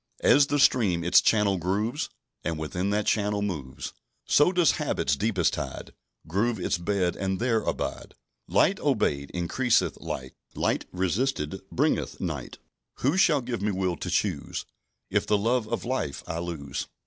"As the stream its channel grooves, And within that channel moves; So does habit's deepest tide Groove its bed and there abide. "Light obeyed increaseth light; Light resisted bringeth night; Who shall give me will to choose If the love of light I lose?